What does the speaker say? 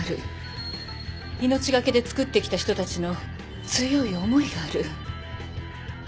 命懸けで作ってきた人たちの強い思いがある。